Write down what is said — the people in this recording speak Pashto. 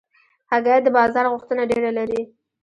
هګۍ د بازار غوښتنه ډېره لري.